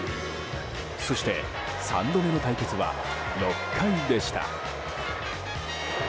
そして３度目の対決は６回でした。